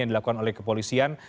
yang dilakukan oleh kepolisian